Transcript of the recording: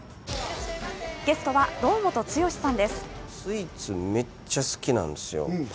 ゲストは堂本剛さんです。